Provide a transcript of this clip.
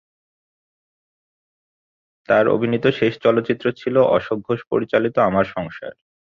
তার অভিনীত শেষ চলচ্চিত্র ছিল অশোক ঘোষ পরিচালিত "আমার সংসার"।